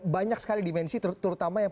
banyak sekali dimensi terutama yang